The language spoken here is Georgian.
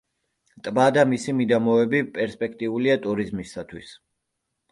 ტბა და მისი მიდამოები პერსპექტიულია ტურიზმისათვის.